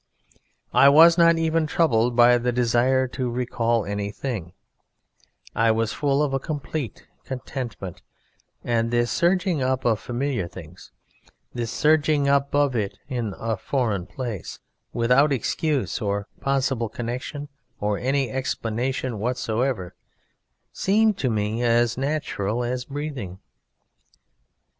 I was not even troubled by the desire to recall anything; I was full of a complete contentment, and this surging up of familiar things, this surging up of it in a foreign place, without excuse or possible connexion or any explanation whatsoever, seemed to me as natural as breathing.